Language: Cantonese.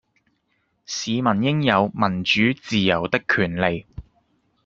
市民應有民主自由的權利